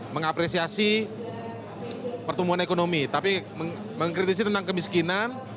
mengapresiasi pertumbuhan ekonomi tapi mengkritisi tentang kemiskinan